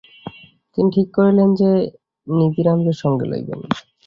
তিনি ঠিক করিলেন যে নিধিরামকে সঙ্গে লইবেন।